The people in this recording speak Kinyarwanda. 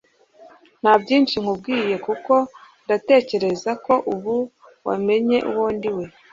Nta byinshi nkubwiye kuko ndatekereza ko ubu wamenye uwo ndiwe